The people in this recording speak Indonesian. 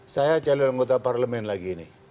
saya calon anggota parlemen lagi ini